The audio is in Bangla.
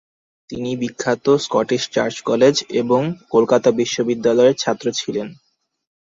তিনি বিখ্যাত স্কটিশ চার্চ কলেজ এবং কলকাতা বিশ্ববিদ্যালয়ের ছাত্র ছিলেন।